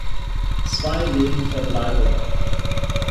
Zwei Leben verbleibend.